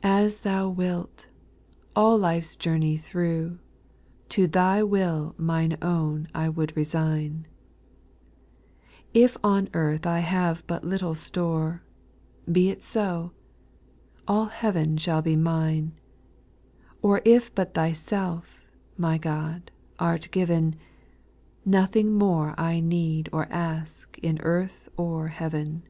5. As Thou wilt I all life's journey through, To Thy will my own I would resign ; If on earth I have but little store, Be it so I all heaven shall be mine : Or if but Thyself, my God, art given. Nothing more I need or ask in earth or heaven.